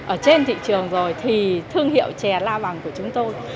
ở trên thị trường rồi thì thương hiệu chè la bằng của chúng tôi